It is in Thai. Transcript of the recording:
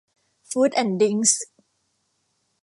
ฟู้ดแอนด์ดริ๊งส์